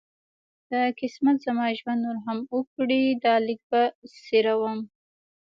که قسمت زما ژوند نور هم اوږد کړ دا لیک به څېرم.